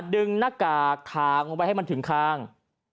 ดึงหน้ากากทางไว้ให้มันถึงข้าง